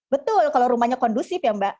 betul kalau rumahnya kondusif ya mbak